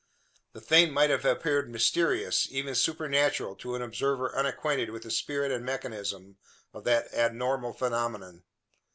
The thing might have appeared mysterious even supernatural to an observer unacquainted with the spirit and mechanism of that abnormal phenomenon.